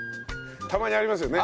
たまにありますよね。